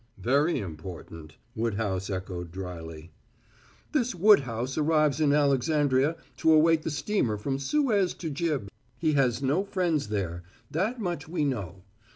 "Very important!" Woodhouse echoed dryly. "This Woodhouse arrives in Alexandria to await the steamer from Suez to Gib. He has no friends there that much we know.